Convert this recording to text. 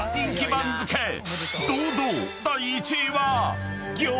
［堂々第１位は］